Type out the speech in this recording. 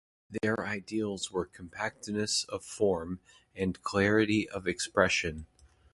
Their ideals were compactness of form and clarity of expression.